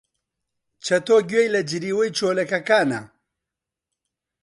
چەتۆ گوێی لە جریوەی چۆلەکەکانە.